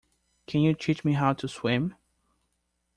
Can you teach me how to swim?